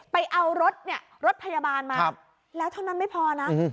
ไปเอารถเนี่ยรถพยาบาลมาแล้วเท่านั้นไม่พอนะ